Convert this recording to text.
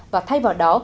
và thay vào đó